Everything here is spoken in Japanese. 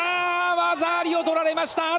技ありをとられました！